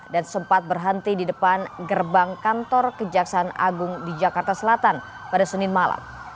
dan sempat berhenti di depan gerbang kantor kejaksaan agung di jakarta selatan pada senin malam